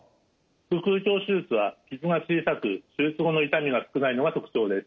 腹腔鏡手術は傷が小さく手術後の痛みが少ないのが特徴です。